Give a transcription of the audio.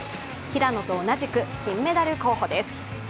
平野と同じく金メダル候補です。